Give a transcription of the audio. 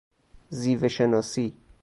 زیوه شناسی